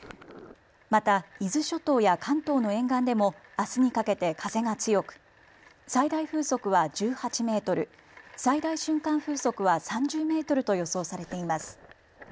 また、伊豆諸島や関東の沿岸でもあすにかけて風が強く最大風速は１８メートル、最大瞬間風速は３０メートルと予想されています。